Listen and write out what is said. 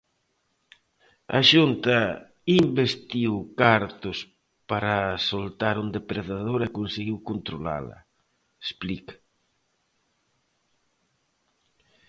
"A Xunta investiu cartos para soltar un depredador e conseguiu controlala", explica.